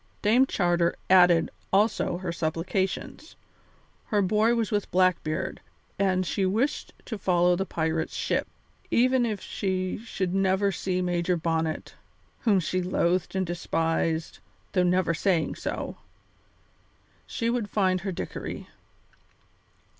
Dame Charter added also her supplications. Her boy was with Blackbeard, and she wished to follow the pirate's ship. Even if she should never see Major Bonnet whom she loathed and despised, though never saying so she would find her Dickory.